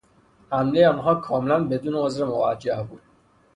حملهی آنها کاملا بدون عذر موجه بود.